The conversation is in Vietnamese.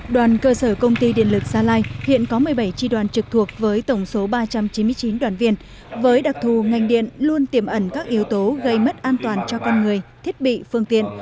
đoàn cơ sở công ty điện lực gia lai hiện có một mươi bảy tri đoàn trực thuộc với tổng số ba trăm chín mươi chín đoàn viên với đặc thù ngành điện luôn tiềm ẩn các yếu tố gây mất an toàn cho con người thiết bị phương tiện